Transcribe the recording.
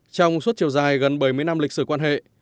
trong suốt chiều dài gần bảy mươi năm lịch sử quan hệ